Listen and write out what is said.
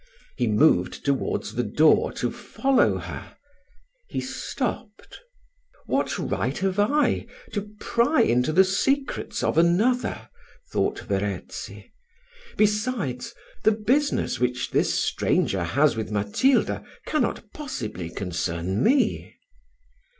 He moved towards the door to follow her he stopped. What right have I to pry into the secrets of another? thought Verezzi: besides, the business which this stranger has with Matilda cannot possibly concern me.